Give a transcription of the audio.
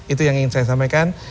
itu yang ingin saya sampaikan